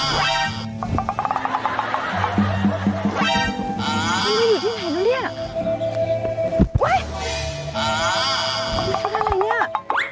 มันไม่อยู่ที่ไหนนะเนี่ยท่านอะไรเนี่ย